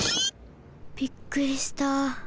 びっくりした。